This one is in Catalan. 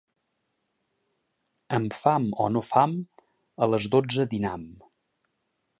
Amb fam, o no fam, a les dotze dinam.